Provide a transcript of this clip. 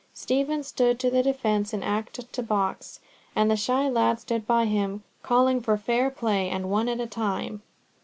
Stephen stood to the defence in act to box, and the shy lad stood by him, calling for fair play and one at a time.